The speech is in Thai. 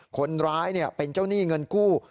คนร้ายเป็นเจ้าหนี้เงินกู้